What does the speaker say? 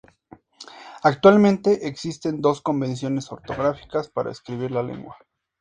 Actualmente existen dos convenciones ortográficas para escribir la lengua.